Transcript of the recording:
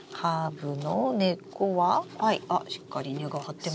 あっしっかり根が張ってます。